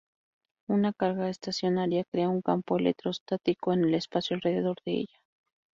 Una carga estacionaria crea un campo electrostático en el espacio alrededor de ella.